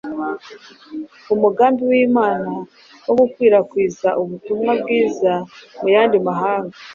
umugambi w’Imana wo gukwirakwiza ubutumwa bwiza mu yandi mahanga.